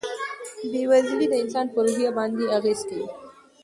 بېوزلي د انسان په روحیه باندې بد اغېز کوي.